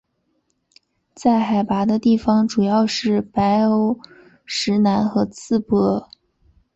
在海拔的地方主要是白欧石楠和刺柏。